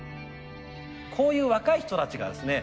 こういう若い人たちがですね